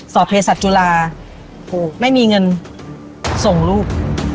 สอบเทศจุฬาไม่มีเงินส่งลูก